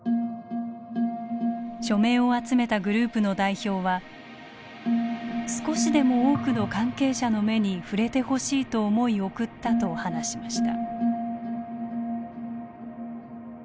署名を集めたグループの代表は「少しでも多くの関係者の目に触れてほしいと思い送った」と話しました。